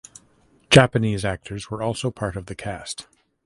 Japanese actors were also part of the cast.